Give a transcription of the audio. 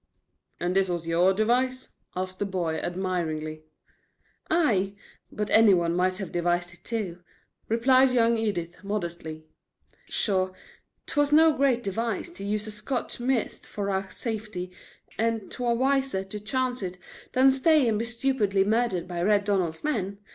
"And this was YOUR device?" asked the boy, admiringly. "Ay, but any one might have devised it too," replied young Edith, modestly. "Sure, 't was no great device to use a Scotch mist for our safety, and 't were wiser to chance it than stay and be stupidly murdered by Red Donald's men.